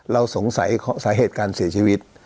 เราสงสัยสาเหตุการเสียชีวิต